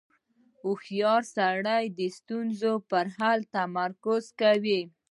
• هوښیار سړی د ستونزو پر حل تمرکز کوي.